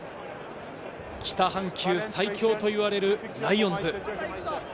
北半球最強といわれるライオンズ。